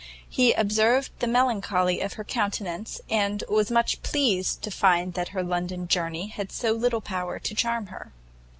He observed the melancholy of her countenance, and was much pleased to find that her London journey had so little power to charm her.